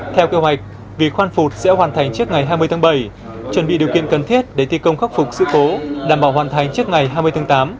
theo kế hoạch vì khoan phục sẽ hoàn thành trước ngày hai mươi tháng bảy chuẩn bị điều kiện cần thiết để thi công khắc phục sự cố đảm bảo hoàn thành trước ngày hai mươi tháng tám